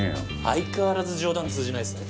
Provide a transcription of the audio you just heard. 相変わらず冗談通じないですね。